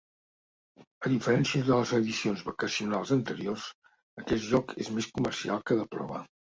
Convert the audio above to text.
A diferència de les edicions vacacionals anteriors, aquest joc és més comerial que de prova.